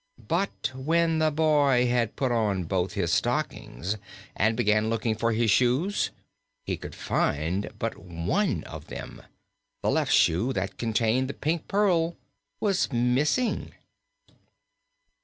But when the boy had put on both his stockings and began looking for his shoes, he could find but one of them. The left shoe, that containing the Pink Pearl, was missing.